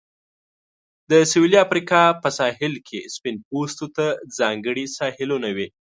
د سویلي افریقا په ساحل کې سپین پوستو ته ځانګړي ساحلونه وې.